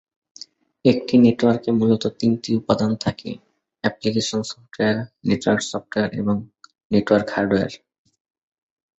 একটি নেটওয়ার্কে মূলত তিনটি উপাদান থাকে: অ্যাপ্লিকেশন সফটওয়্যার, নেটওয়ার্ক সফটওয়্যার এবং নেটওয়ার্ক হার্ডওয়্যার।